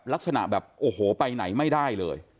ลักษณะแบบโอ้โหไปไหนไม่ได้เลย